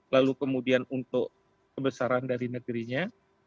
lalu kemudian untuk kebesaran dari negerinya